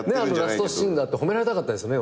ラストシーン褒められたかったですよね